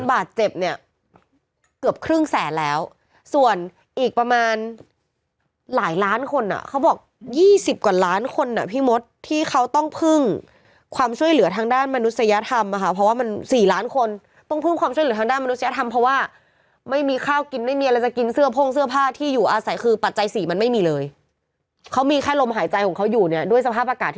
อาจเจ็บเนี่ยเกือบครึ่งแสนแล้วส่วนอีกประมาณหลายล้านคนอ่ะเขาบอกยี่สิบกว่าล้านคนอ่ะพี่มดที่เขาต้องพึ่งความช่วยเหลือทางด้านมนุษยธรรมอ่ะค่ะเพราะว่ามันสี่ล้านคนต้องพึ่งความช่วยเหลือทางด้านมนุษยธรรมเพราะว่าไม่มีข้าวกินไม่มีอะไรจะกินเสื้อโพ่งเสื้อผ้าที่อยู่อาศัยคือปัจจัยส